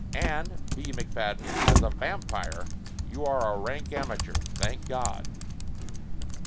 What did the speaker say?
And, B. McFadden, as a vam pire you are a rank amateur thank God